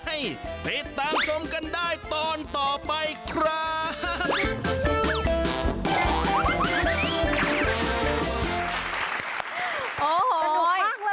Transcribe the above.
ติดตามชมกันได้ตอนต่อไปครับ